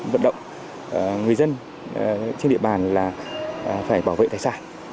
vận động người dân trên địa bàn là phải bảo vệ tài sản